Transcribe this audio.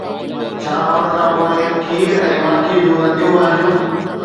ڇا ان کانپوءِ کير ۽ ماکي جون نديون وهنديون؟